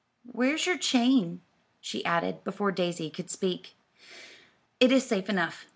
"Where's your chain?" she added, before Daisy could speak. "It is safe enough.